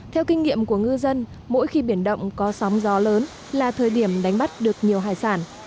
theo kinh nghiệm của ngư dân mỗi khi biển động có sóng gió lớn là thời điểm đánh bắt được nhiều hải sản